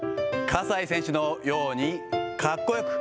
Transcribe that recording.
葛西選手のようにかっこよく。